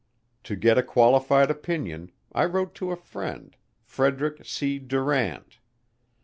To get a qualified opinion, I wrote to a friend, Frederick C. Durant.